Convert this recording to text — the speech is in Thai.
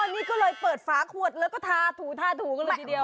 นี่ก็เลยเปิดฝาขวดแล้วก็ทาถูทาถูกันเลยทีเดียว